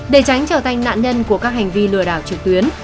để tránh trở thành nạn nhân của các hành vi lừa đảo trực tuyến